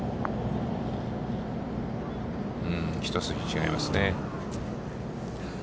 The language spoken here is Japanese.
１筋違いますね。